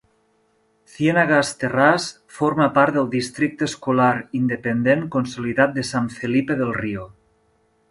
Cienegas Terrace forma part del districte escolar independent consolidat de San Felipe del Rio.